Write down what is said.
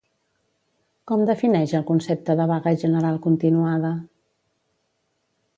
Com defineix el concepte de vaga general continuada?